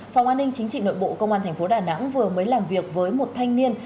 phòng an ninh chính trị nội bộ công an thành phố đà nẵng vừa mới làm việc với một thanh niên